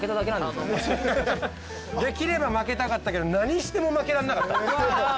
できれば負けたかったけど何しても負けらんなかった。